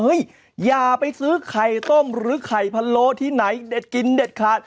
อย่าไปซื้อไข่ต้มหรือไข่พะโลที่ไหนเด็ดกินเด็ดขาด